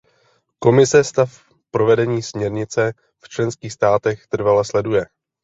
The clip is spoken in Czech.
Komise stav provedení směrnice v členských státech trvale sleduje.